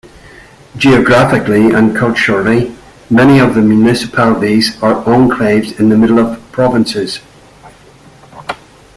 Geographically and culturally, many of the municipalities are enclaves in the middle of provinces.